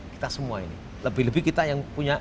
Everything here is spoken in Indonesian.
kita semua ini lebih lebih kita yang punya